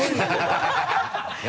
ハハハ